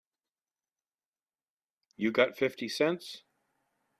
You got fifty cents?